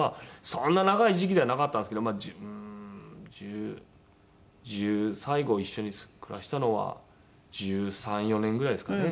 そんな長い時期ではなかったんですけど十最後一緒に暮らしたのは１３１４年ぐらいですかね。